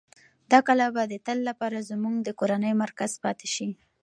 دا کلا به د تل لپاره زموږ د کورنۍ مرکز پاتې شي.